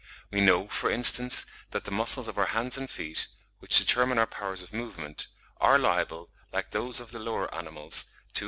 We know, for instance, that the muscles of our hands and feet, which determine our powers of movement, are liable, like those of the lower animals, (65.